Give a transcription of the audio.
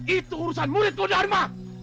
itu urusan murid kodama